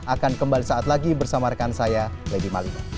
akan kembali saat lagi bersama rekan saya lady malino